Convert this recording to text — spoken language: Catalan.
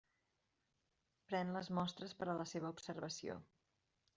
Pren les mostres per a la seva observació.